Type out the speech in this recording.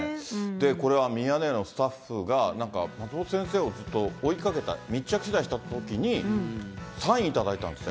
これはミヤネ屋のスタッフが、なんか、松本先生をずっと追いかけた、密着取材したときに、サイン頂いたんですって。